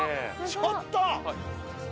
ちょっと。